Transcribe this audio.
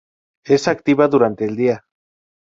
Es activa durante el día.